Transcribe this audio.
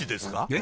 え？